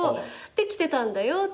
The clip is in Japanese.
で来てたんだよって。